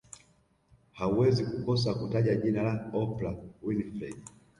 Hauwezi kukosa kutaja jina la Oprah Winfrey